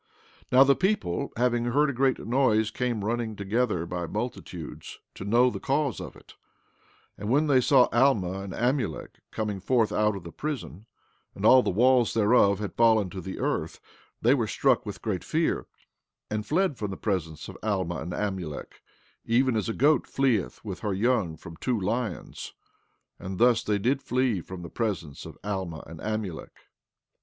14:29 Now the people having heard a great noise came running together by multitudes to know the cause of it; and when they saw Alma and Amulek coming forth out of the prison, and the walls thereof had fallen to the earth, they were struck with great fear, and fled from the presence of Alma and Amulek even as a goat fleeth with her young from two lions; and thus they did flee from the presence of Alma and Amulek.